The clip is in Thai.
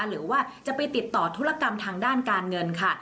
หรือว่าจะไปติดต่อธุรกรรมทางด้านการเงินค่ะ